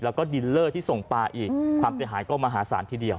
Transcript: แล้วก็ดินเลอร์ที่ส่งปลาอีกความเสียหายก็มหาศาลทีเดียว